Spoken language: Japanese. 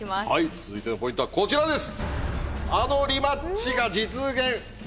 続いてのポイントはこちらです！